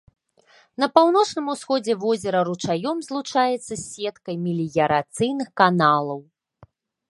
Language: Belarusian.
На паўночным усходзе возера ручаём злучаецца з сеткай меліярацыйных каналаў.